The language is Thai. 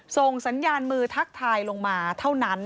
ส่งสัญญาณมือทักทายลงมาเท่านั้น